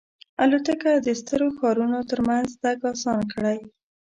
الوتکه د ستر ښارونو ترمنځ تګ آسان کړی.